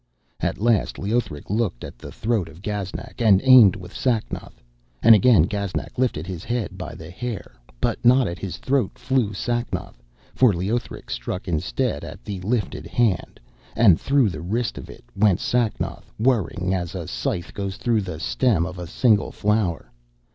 At last Leothric looked at the throat of Gaznak and aimed with Sacnoth, and again Gaznak lifted his head by the hair; but not at his throat flew Sacnoth, for Leothric struck instead at the lifted hand, and through the wrist of it went Sacnoth whirring, as a scythe goes through the stem of a single flower.